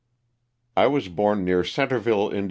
T WAS born near Centerville, Ind.